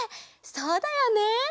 そうだよね！